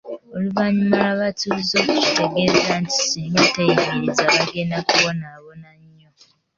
Oluvannyuma lw’abatuuze okugitegeeza nti singa teyimiriza bagenda kubonaabona nnyo.